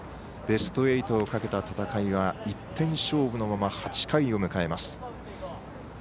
ベスト８をかけた戦いが１点勝負のまま８回を迎えます。